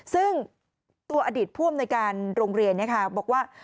ซึ่งตัวอดีตพ่วนในการโรงเรียนบอกว่า